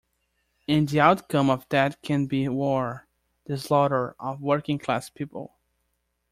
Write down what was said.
And the outcome of that can be war, the slaughter of working class people.